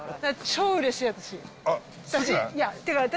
超うれしい、私。